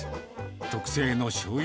特製のしょうゆ